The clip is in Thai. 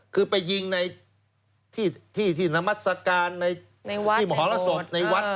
คือไปยิงในที่นามัศกาลที่หมอหร่าศพในวัด